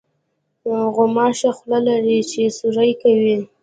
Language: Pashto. غوماشه خوله لري چې سوري کوي.